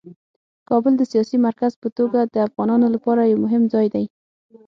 کابل د سیاسي مرکز په توګه د افغانانو لپاره یو مهم ځای دی.